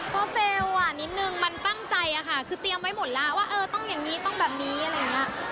ก็เฟลล์อ่ะนิดนึงมันตั้งใจอะค่ะคือเตรียมไว้หมดแล้วว่าเออต้องอย่างนี้ต้องแบบนี้อะไรอย่างนี้